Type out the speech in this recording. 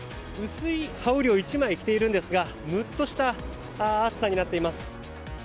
薄い羽織を１枚着てるんですがむっとした暑さになっています。